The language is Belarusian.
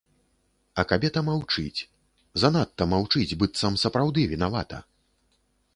А кабета маўчыць, занадта маўчыць, быццам сапраўды вінавата.